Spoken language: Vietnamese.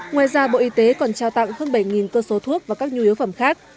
ngoài ra bộ y tế còn trao tặng hơn bảy cơ số thuốc và các nhu yếu phẩm khác